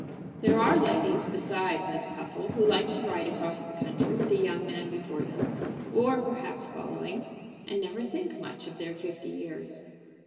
There are ladies besides Miss Puffle who like to ride across the country with a young man before them, or perhaps following, and never think much of their fifty years.